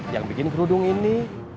yang bikin kerudung ini